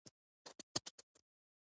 د السر زخم دی.